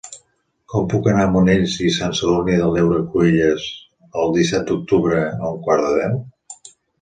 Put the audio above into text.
Com puc anar a Monells i Sant Sadurní de l'Heura Cruïlles el disset d'octubre a un quart de deu?